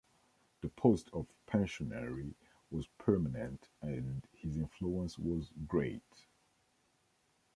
The post of pensionary was permanent and his influence was great.